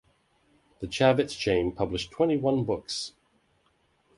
The Chafetz Chaim published twenty one books.